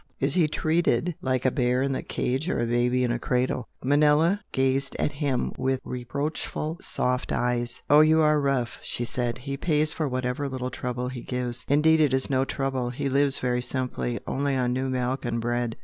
Is he treated like a bear in a cage or a baby in a cradle?" Manella gazed at him with reproachful soft eyes. "Oh, you are rough!" she said "He pays for whatever little trouble he gives. Indeed it is no trouble! He lives very simply only on new milk and bread.